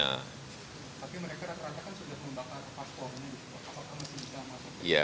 tapi mereka ratakan sudah menambahkan paspor ini apakah masih bisa matang